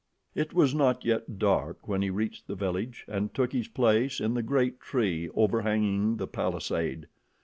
It was not yet dark when he reached the village and took his place in the great tree overhanging the palisade.